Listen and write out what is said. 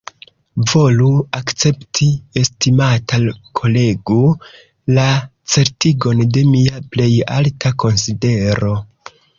Volu akcepti, estimata kolego, la certigon de mia plej alta konsidero.